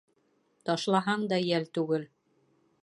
Ташлаһаң да йәл түгел.